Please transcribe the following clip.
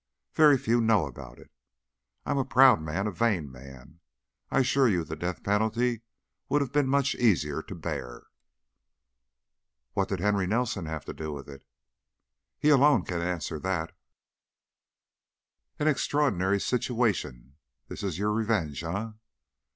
Very few know about it. I'm a proud man, a vain man; I assure you the death penalty would have been much easier to bear." "What did Henry Nelson have to do with it?" "He alone can answer that." "An extraordinary situation! This is your revenge, eh?"